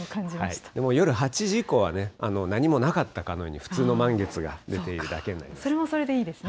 夜８時以降はね、何もなかったかのように、普通の満月が出てそれもそれでいいですね。